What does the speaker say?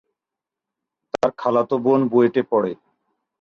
তার খালাতো বোন বুয়েটে পড়ে।